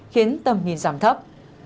khiến tầm nhìn giảm thấp